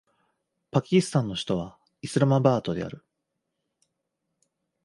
パキスタンの首都はイスラマバードである